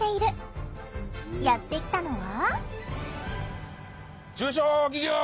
やって来たのは？